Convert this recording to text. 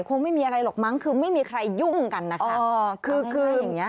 คงไม่มีอะไรหรอกมั้งคือไม่มีใครยุ่งกันนะคะ